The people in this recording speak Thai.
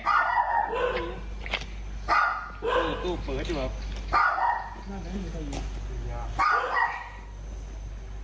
หลืม